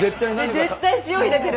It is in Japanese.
絶対塩入れてる。